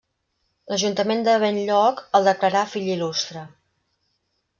L'ajuntament de Benlloc el declarà fill il·lustre.